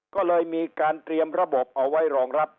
ก็เลยมีการเตรียมระบบเอาไว้รองรับ